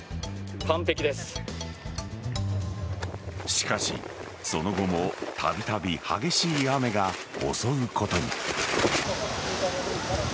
しかし、その後もたびたび激しい雨が襲うことに。